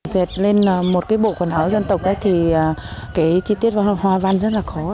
dệt lên một bộ quần áo dân tộc thì chi tiết hoa văn rất khó